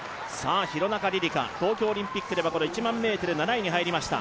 廣中璃梨佳東京オリンピックでは１００００ｍ７位に入りました。